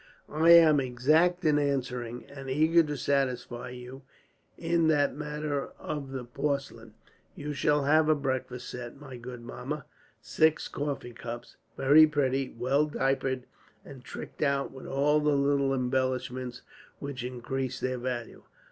"I am exact in answering, and eager to satisfy you (in that matter of the porcelain). You shall have a breakfast set, my good Mamma: six coffee cups, very pretty, well diapered, and tricked out with all the little embellishments which increase their value.